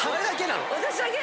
私だけ！？